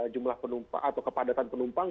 jumlah penumpang atau kepadatan penumpang